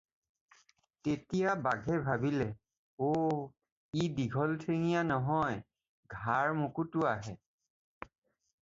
তেতিয়া বাঘে ভাবিলে- "অ' ই দীঘল ঠেঙীয়া নহয়, ঘাৰ মোকোটোৱাহে।"